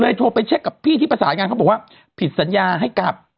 โทรไปเช็คกับพี่ที่ประสานงานเขาบอกว่าผิดสัญญาให้กลับ